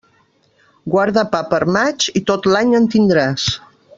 Guarda pa per a maig i tot l'any en tindràs.